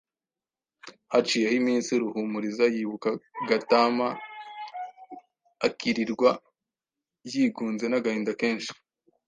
Haciyeho iminsi Ruhumuriza yibuka Gatama, akirirwa yigunze n’agahinda kenshi.